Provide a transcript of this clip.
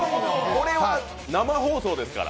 これは生放送ですから。